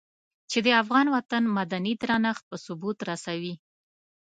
چې د افغان وطن مدني درنښت په ثبوت رسوي.